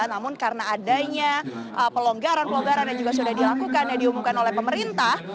namun karena adanya pelonggaran pelonggaran yang juga sudah dilakukan yang diumumkan oleh pemerintah